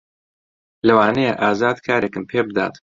لەوانەیە ئازاد کارێکم پێ بدات.